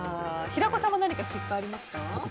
平子さんも何か失敗ありますか？